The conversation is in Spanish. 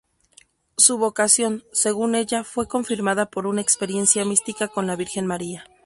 Su vocación, según ella, fue confirmada por una experiencia mística con la Virgen María.